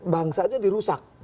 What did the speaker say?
bangsa aja dirusak